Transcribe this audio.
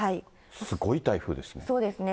すごい台風ですね。